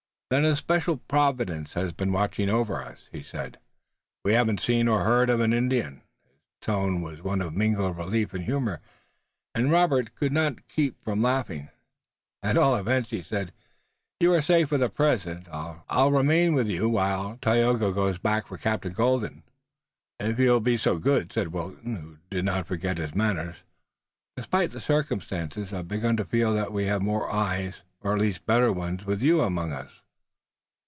"Then a special Providence has been watching over us," he said. "We haven't seen or heard of an Indian." His tone was one of mingled relief and humor, and Robert could not keep from laughing. "At all events," he said, "you are safe for the present. I'll remain with you while Tayoga goes back for Captain Colden." "If you'll be so good," said Wilton, who did not forget his manners, despite the circumstances. "I've begun to feel that we have more eyes, or at least better ones, with you among us.